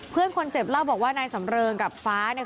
เพื่อนคนเจ็บเล่าบอกว่านายสำเริงกับฟ้าเนี่ย